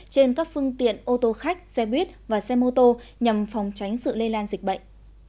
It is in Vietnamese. trên các phương tiện ô tô khách xe buýt và xe mô tô nhằm phòng tránh sự lây lan dịch bệnh